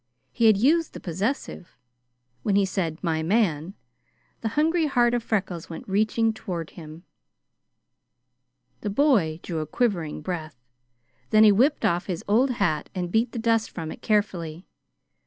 He had used the possessive. When he said "my man," the hungry heart of Freckles went reaching toward him. The boy drew a quivering breath. Then he whipped off his old hat and beat the dust from it carefully.